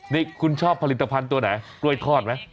นี่คุณชอบผลิตภัณฑ์ตัวไหนกล้วยทอดไหม